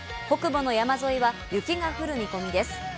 北部の山沿いは雪が降る見込みです。